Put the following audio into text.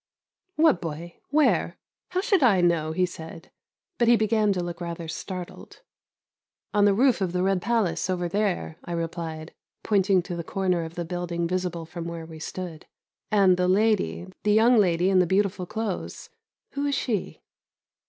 "What boy? Where? How should I know?" he said, but he began to look rather startled. "On the roof of the Red Palace, over there," I replied, pointing to the corner of the building visible from where we stood. "And the lady, the young lady in the beautiful clothes, who is she?"